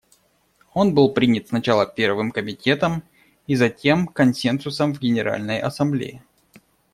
Он был принят сначала Первым комитетом и затем консенсусом в Генеральной Ассамблее.